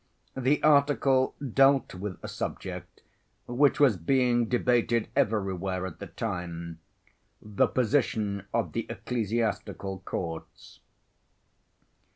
The article dealt with a subject which was being debated everywhere at the time—the position of the ecclesiastical courts.